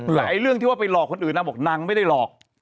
แต่เรื่องที่ว่าไปหลอกคนอื่นนางบอกนางไม่ได้หลอก